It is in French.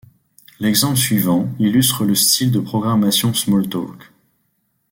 L'exemple suivant illustre le style de programmation Smalltalk.